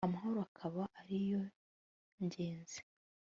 amahoro akaba ariyo ngenzi